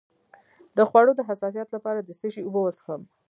د خوړو د حساسیت لپاره د څه شي اوبه وڅښم؟